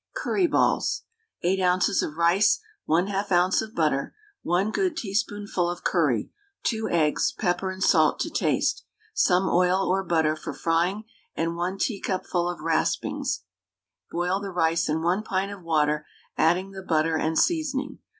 CURRY BALLS. 8 oz. of rice, 1/2 oz. of butter, 1 good teaspoonful of curry, 2 eggs, pepper and salt to taste, some oil or butter for frying, and 1 teacupful of raspings. Boil the rice in 1 pint of water, adding the butter and seasoning.